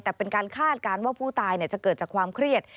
แต่เป็นการคาดการณ์ว่าผู้ตายจะเกิดจากความเครียด